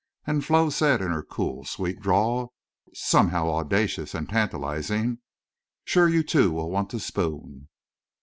And Flo said in her cool sweet drawl, somehow audacious and tantalizing, "Shore you two will want to spoon."